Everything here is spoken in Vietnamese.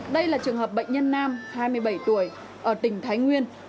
đây là trường hợp bệnh nhân nam hai mươi bảy tuổi ở tỉnh thái nguyên